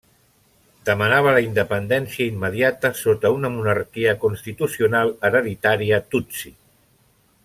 Demanava la independència immediata sota una monarquia constitucional hereditària tutsi.